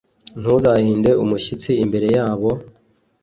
ntuzahinde umushyitsi imbere yabo,